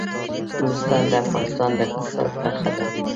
نورستان د افغانستان د اقتصاد برخه ده.